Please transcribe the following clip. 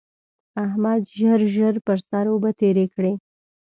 احمد ژر ژر پر سر اوبه تېرې کړې.